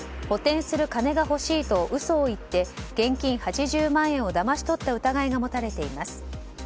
補填する金が欲しいと嘘を言って現金８０万円をだまし取った疑いが持たれています。